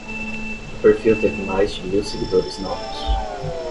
O perfil teve mais de mil seguidores novos